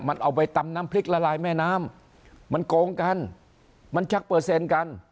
มันเอาไปตำน้ำพริกละลายแม่น้ำมันโกงกันมันชักเปอร์เซ็นต์กัน